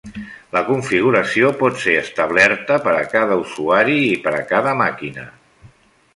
La configuració pot ser establerta per a cada usuari i per a cada màquina.